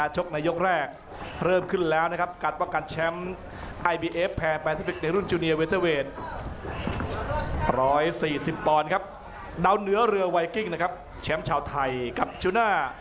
ใช่เยอะใช่เยอะใช่เยอะ